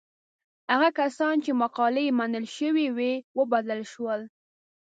هغه کسان چې مقالې یې منل شوې وې وبلل شول.